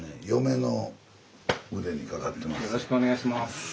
よろしくお願いします。